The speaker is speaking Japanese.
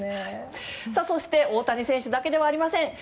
そして大谷選手だけではありません。